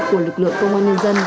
của lực lượng công an nhân dân